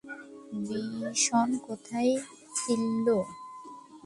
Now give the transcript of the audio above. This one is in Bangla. বিষন কোথায় ছিল?